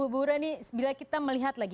bu reni bila kita melihat lagi